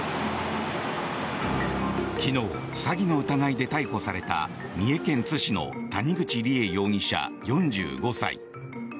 昨日、詐欺の疑いで逮捕された三重県津市の谷口梨恵容疑者、４５歳。